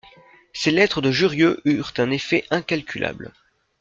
Ces lettres de Jurieu eurent un effet incalculable.